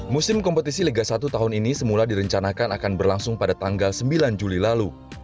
musim kompetisi liga satu tahun ini semula direncanakan akan berlangsung pada tanggal sembilan juli lalu